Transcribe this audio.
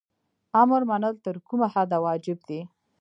امر منل تر کومه حده واجب دي؟